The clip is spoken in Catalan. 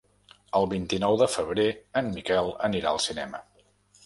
El vint-i-nou de febrer en Miquel anirà al cinema.